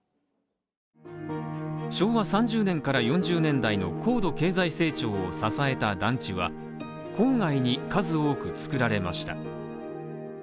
昭和３０年から４０年代の高度経済成長を支えた団地は郊外に数多く作られました。